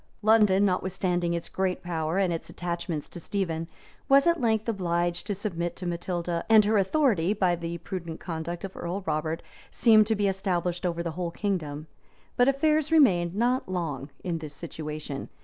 ] London, notwithstanding its great power, and its attachment to Stephen, was at length obliged to submit to Matilda; and her authority, by the prudent conduct of Earl Robert, seemed to be established over the whole kingdom; but affairs remained not long in this situation.